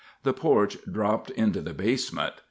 The porch dropped into the basement.